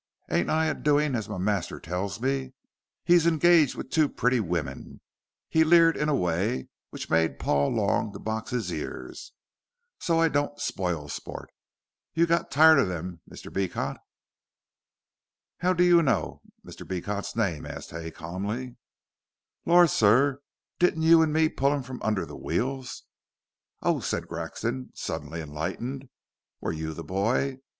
"Ain't I a doin' as my master tells me? He's engaged with two pretty women" he leered in a way which made Paul long to box his ears "so I don't spile sport. You've got tired of them, Mr. Beecot?" "How do you know Mr. Beecot's name?" asked Hay, calmly. "Lor', sir. Didn't you and me pull him from under the wheels?" "Oh," said Grexon, suddenly enlightened, "were you the boy?